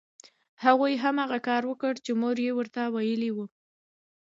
هغوی هماغه کار وکړ چې مور یې ورته ویلي وو